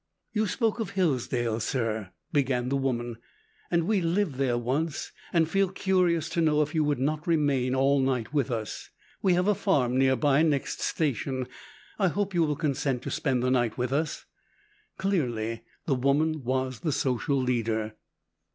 "You spoke of Hillsdale, sir," began the woman; "and we lived there once, and feel curious to know if you would not remain all night with us. We have a farm near by next station. I hope you will consent to spend the night with us;" clearly the woman was the social leader.